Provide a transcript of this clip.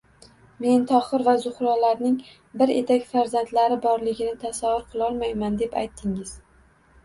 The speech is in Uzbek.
“Men Tohir va Zuhralarning bir etak farzandlari borligini tasavvur qilolmayman” deb aytdingiz.